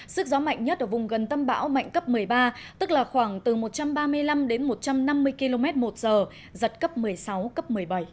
sức gió mạnh nhất ở vùng gần tâm bão mạnh cấp một mươi ba tức là khoảng từ một trăm ba mươi năm đến một trăm năm mươi km một giờ giật cấp một mươi sáu cấp một mươi bảy